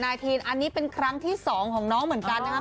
ทีนอันนี้เป็นครั้งที่๒ของน้องเหมือนกันนะครับ